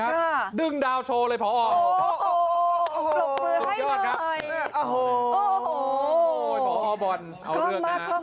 อยากจะมอบความสุขให้พอบอนบอกว่าก่อนอันนี้เด็กช่วยเหลือกิจกรรมของโรงเรียนมันหนักหน่วง